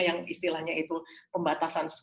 yang istilahnya itu pembatasan